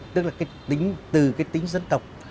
tức là cái tính từ cái tính dân tộc